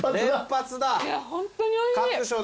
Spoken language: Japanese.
ホントにおいしい。